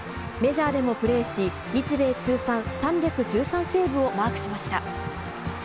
メジャーでもプレーし、日米通算３１３セーブをマークしました。